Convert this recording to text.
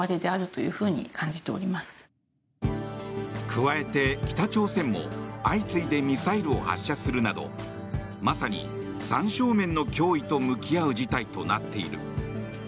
加えて、北朝鮮も相次いでミサイルを発射するなどまさに３正面の脅威と向き合う事態となっている。